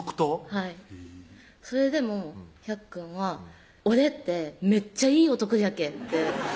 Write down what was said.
はいそれでもひゃっくんは「俺ってめっちゃいい男じゃけぇ」